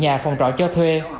nhà phòng trọ cho thuê